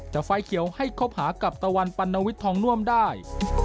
แต่ไฟเขียวให้คบหากับตะวันปัณวิทย์ทองน่วมได้